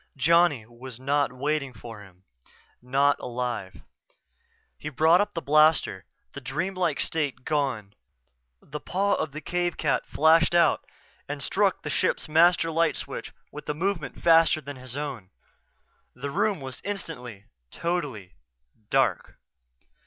Johnny was not waiting for him not alive He brought up the blaster, the dream like state gone. The paw of the cave cat flashed out and struck the ship's master light switch with a movement faster than his own. The room was instantly, totally, dark.